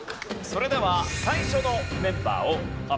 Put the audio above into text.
それでは最初のメンバーを発表します。